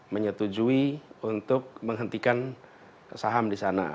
menyetujui untuk menghentikan saham di sana